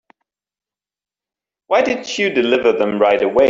Why didn't you deliver them right away?